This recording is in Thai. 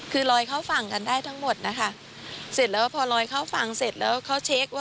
คือควรลอยคาวฝั่งได้ทั้งหมดนะคะ